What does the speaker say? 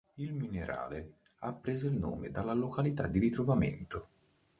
Il minerale ha preso il nome dalla località di ritrovamento.